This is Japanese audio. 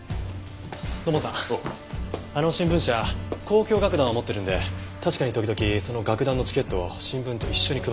土門さんあの新聞社交響楽団を持ってるんで確かに時々その楽団のチケットを新聞と一緒に配ってました。